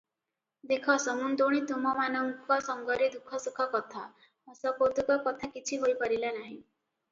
ଦେଖ ସମୁନ୍ଧୁଣୀ ତୁମ୍ଭମାନଙ୍କ ସଙ୍ଗରେ ଦୁଃଖ ସୁଖ କଥା, ହସକୌତୁକ କଥା କିଛି ହୋଇପାରିଲା ନାହିଁ ।